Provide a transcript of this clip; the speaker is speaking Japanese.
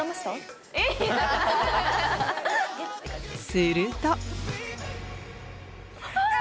するとあ！